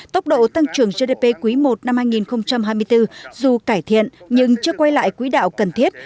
tốc độ tăng trưởng gdp quý i năm hai nghìn hai mươi bốn dù cải thiện nhưng chưa quay lại quý đạo cần thiết